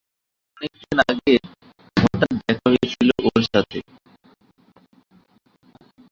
অনেকদিন আগে হঠাৎ দেখা হয়েছিল ওর সাথে।